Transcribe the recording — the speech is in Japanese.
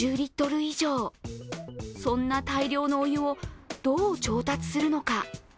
以上そんな大量のお湯をどう調達するのか。